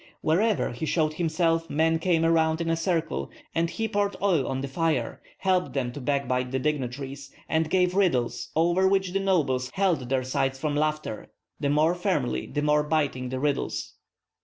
Wherever he showed himself men came around in a circle, and he poured oil on the fire, helped them to backbite the dignitaries, and gave riddles over which the nobles held their sides from laughter, the more firmly the more biting the riddles.